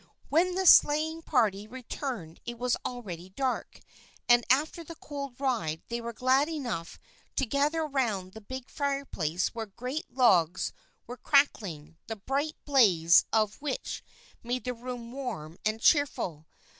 When the sleighing party returned it was already dark, and after the cold ride they were glad enough to gather around the big fireplace where great logs were crackling, the bright blaze of which made the room warm and cheerful.